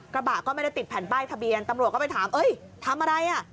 กระบะก็ไม่ได้ติดแผ่นป้ายทะเบียนตำรวจก็ไปถามเอ้ยทำอะไรอ่ะ